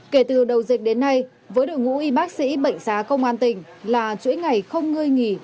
kể từ đầu dịch đến nay với đội ngũ y bác sĩ bệnh xá công an tỉnh là chuỗi ngày không ngơi nghỉ